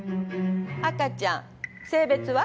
赤ちゃん性別は？